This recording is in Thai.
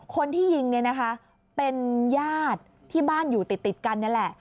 คนที่ยิงเป็นญาติที่บ้านอยู่ติดกันนั่นแหละ